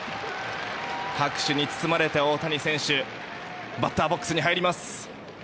拍手に包まれて、大谷選手バッターボックスに入ります。